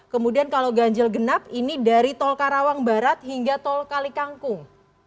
kemudian kalau ganjel genap ini dari tol karawang barat hingga tol kali kangkung